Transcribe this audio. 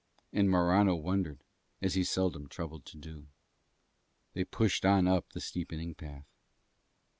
And Morano wondered, as he seldom troubled to do. They pushed on up the steepening path.